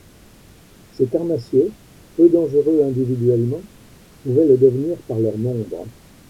Ces carnassiers, peu dangereux individuellement, pouvaient le devenir par leur nombre.